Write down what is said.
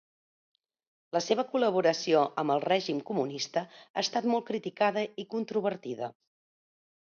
La seva col·laboració amb el règim comunista ha estat molt criticada i controvertida.